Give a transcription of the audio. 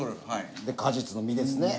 で果実の「実」ですね。